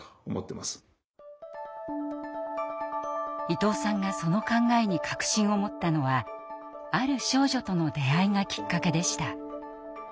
伊藤さんがその考えに確信を持ったのはある少女との出会いがきっかけでした。